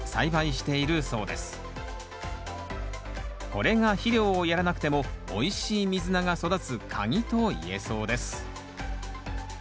これが肥料をやらなくてもおいしいミズナが育つ鍵と言えそうです